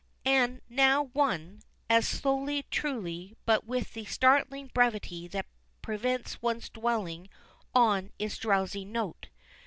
And now one as slowly, truly, but with the startling brevity that prevents one's dwelling on its drowsy note.